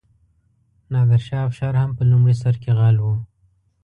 نادرشاه افشار هم په لومړي سر کې غل و.